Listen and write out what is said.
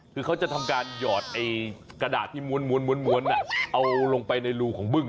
คือเขาจะทำการหยอดกระดาษที่ม้วนเอาลงไปในรูของบึ้ง